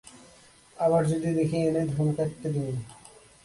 আবার যদি দেখি এনে, ধোন কাইট্টা দিমু।